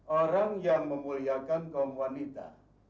orang yang memuliakan kaum wanita